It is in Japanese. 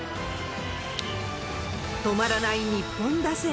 止まらない日本打線。